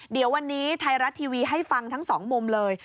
เดี๋ยววันนี้ไทยรัฐทีวีให้ฟังทั้งสองมุมเลย